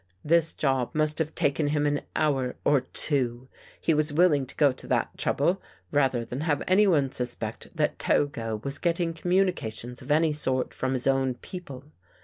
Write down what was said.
This job must have taken him an hour or two. He was willing to go to that trouble rather than have anyone suspect that Togo was getting communica tions of any sort from, his own people.